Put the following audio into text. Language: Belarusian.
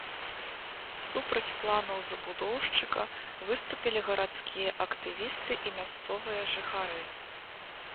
Супраць планаў забудоўшчыка выступілі гарадскія актывісты і мясцовыя жыхары.